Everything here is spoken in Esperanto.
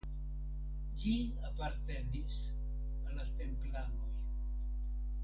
Ĝi apartenis al la Templanoj.